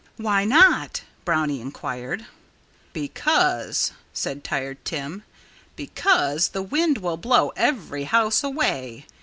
"Why not?" Brownie inquired. "Because " said Tired Tim "because the wind will blow every house away.